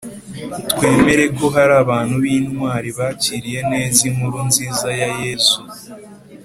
twemere ko hari abantu b’intwari bakiriye neza inkuru nziza ya yezu